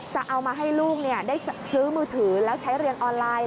จะเอามาให้ลูกได้ซื้อมือถือแล้วใช้เรียนออนไลน์